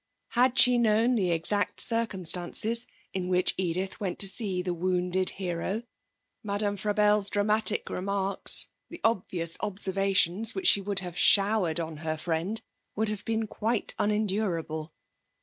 Had she known the exact circumstances in which Edith went to see the wounded hero, Madame Frabelle's dramatic remarks, the obvious observations which she would have showered on her friend, would have been quite unendurable.